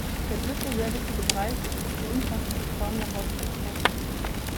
Der dritte, sehr wichtige Bereich ist die umfassende Reform der Haushaltsordnung.